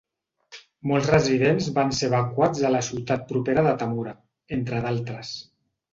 Molts residents van ser evacuats a la ciutat propera de Tamura, entre d'altres.